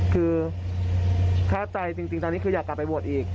คือถ้าใจจริงตอนนี้คืออยากกลับไปบวชอีก